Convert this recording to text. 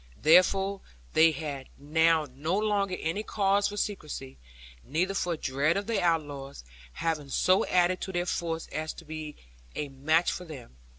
Therefore they had now no longer any cause for secrecy, neither for dread of the outlaws; having so added to their force as to be a match for them.